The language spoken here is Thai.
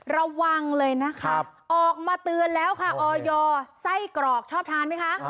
ระวังเลยนะคะออกมาเตือนแล้วค่ะออยไส้กรอกชอบทานไหมคะ